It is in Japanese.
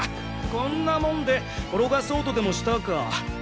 こんなもんで転がそうとでもしたか。